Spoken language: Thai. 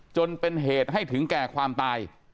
จนเป็นเหตุให้ถึงแก่ความตาย